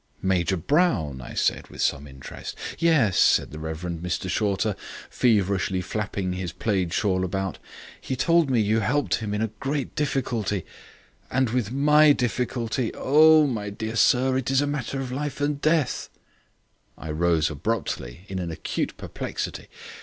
"Major Brown!" I said, with some interest. "Yes," said the Reverend Mr Shorter, feverishly flapping his plaid shawl about. "He told me you helped him in a great difficulty and my difficulty! Oh, my dear sir, it's a matter of life and death." I rose abruptly, in an acute perplexity.